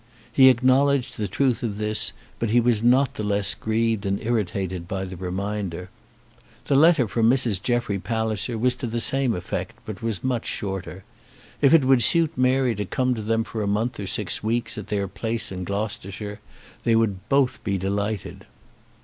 He acknowledged the truth of this, but he was not the less grieved and irritated by the reminder. The letter from Mrs. Jeffrey Palliser was to the same effect, but was much shorter. If it would suit Mary to come to them for a month or six weeks at their place in Gloucestershire, they would both be delighted.